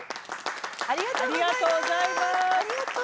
ありがとうございます。